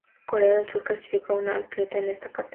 Corea del Sur clasificó a una atleta en esta categoría.